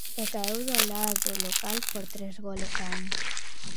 E caeu do lado local por tres goles a un.